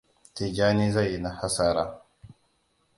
Tijjani zai yi hasara.